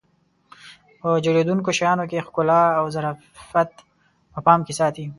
په جوړېدونکو شیانو کې ښکلا او ظرافت په پام کې ساتي.